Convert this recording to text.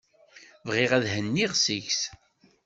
Bɣiɣ ad henniɣ seg-s.